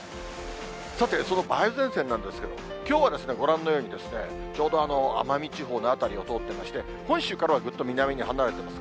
さて、その梅雨前線なんですけれども、きょうはご覧のように、ちょうど奄美地方の辺りを通っていまして、本州からはぐっと南に離れてます。